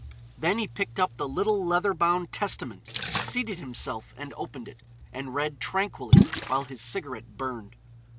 Then he picked up the little leather bound Testament, seated himself, and opened it. And read tranquilly while his cigarette burned.